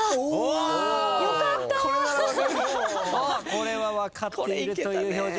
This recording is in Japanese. これは分かっているという表情。